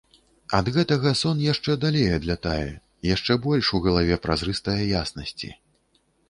Ад гэтага сон яшчэ далей адлятае, яшчэ больш у галаве празрыстае яснасці.